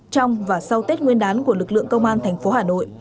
trong và sau tết nguyên đán của lực lượng công an thành phố hà nội